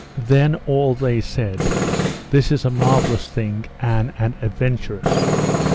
Then all they said: This is a marvellous thing and an adventurous.